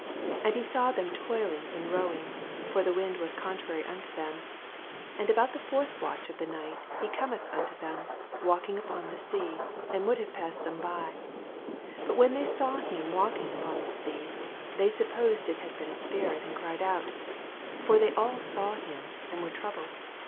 48 And he saw them toiling in row ing ; for the wind was contrary unto them : and about the fourth watch of the night he cometh unto them, walk ing upon the sea, and would have passed by them. 49 But when they saw him walking upon the sea, they supposed it had been a spirit, and cried out : 50 For they all saw him, and were troubled.